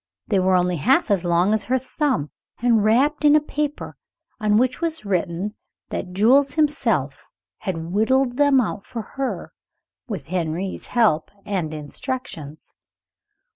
They were only half as long as her thumb, and wrapped in a paper on which was written that Jules himself had whittled them out for her, with Henri's help and instructions.